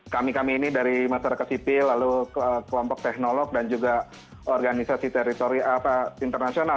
kami kami ini dari masyarakat sipil lalu kelompok teknolog dan juga organisasi teritori internasional